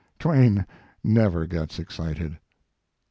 Twain never gets excited."